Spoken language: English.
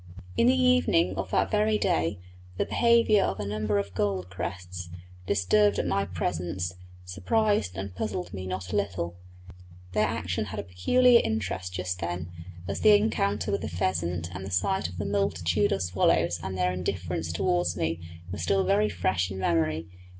In the evening of that very day the behaviour of a number of gold crests, disturbed at my presence, surprised and puzzled me not a little; their action had a peculiar interest just then, as the encounter with the pheasant, and the sight of the multitude of swallows and their indifference towards me were still very fresh in memory.